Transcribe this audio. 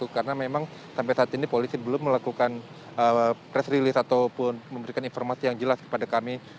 karena memang sampai saat ini polisi belum melakukan press release ataupun memberikan informasi yang jelas kepada kami